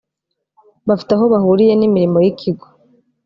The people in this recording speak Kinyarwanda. bafite aho bahuriye n’imirimo y’ikigo